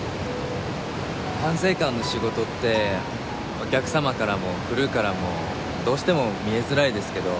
管制官の仕事ってお客様からもクルーからもどうしても見えづらいですけど